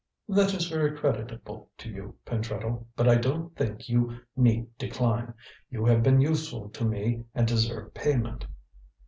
"That is very creditable to you, Pentreddle, but I don't think you need decline. You have been useful to me and deserve payment."